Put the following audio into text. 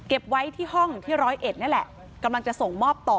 ไว้ที่ห้องที่ร้อยเอ็ดนี่แหละกำลังจะส่งมอบต่อ